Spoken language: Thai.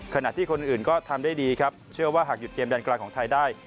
ขณะที่คนอื่นก็ทำได้ดีครับเชื่อว่าหากหยุดเกมแดนกลางของไทยได้